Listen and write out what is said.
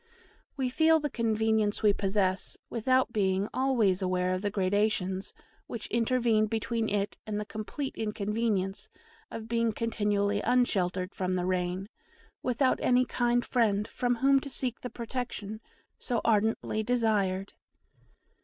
We feel the convenience we possess, without being always aware of the gradations which intervened between it and the complete inconvenience of being continually unsheltered from the rain, without any kind friend from whom to seek the protection so ardently desired.